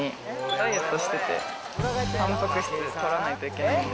ダイエットしてて、たんぱく質とらないといけないので。